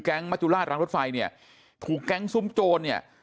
มัจจุราชรังรถไฟเนี่ยถูกแก๊งซุ้มโจรเนี่ย